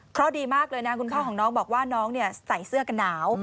เพราะดีมากเลยนะคุณพ่อของน้องบอกว่าน้องใส่เสื้อกันหนาว